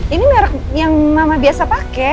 ini merek yang mama biasa pakai